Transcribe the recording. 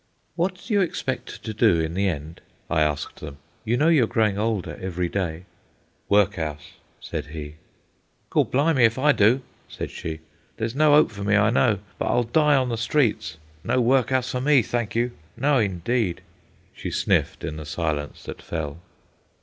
"What do you expect to do in the end?" I asked them. "You know you're growing older every day." "Work'ouse," said he. "Gawd blimey if I do," said she. "There's no 'ope for me, I know, but I'll die on the streets. No work'ouse for me, thank you. No, indeed," she sniffed in the silence that fell.